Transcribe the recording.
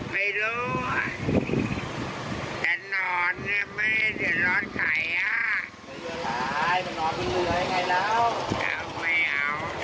ไม่เอา